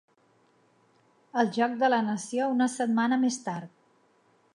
El joc de la nació una setmana més tard.